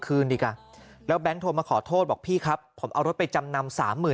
คืนดีกันแล้วแบงค์โทรมาขอโทษบอกพี่ครับผมเอารถไปจำนำ